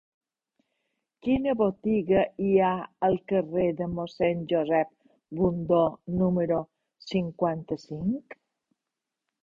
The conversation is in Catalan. Quina botiga hi ha al carrer de Mossèn Josep Bundó número cinquanta-cinc?